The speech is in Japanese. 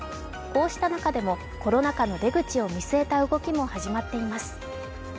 こうした中でもコロナ禍の出口を見据えた動きも始まっています。